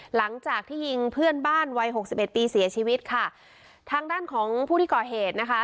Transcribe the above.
หลังจากที่ยิงเพื่อนบ้านวัยหกสิบเอ็ดปีเสียชีวิตค่ะทางด้านของผู้ที่ก่อเหตุนะคะ